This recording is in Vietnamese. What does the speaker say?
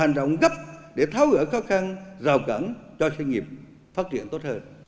hành động gấp để tháo gỡ khó khăn rào cẳng cho doanh nghiệp phát triển tốt hơn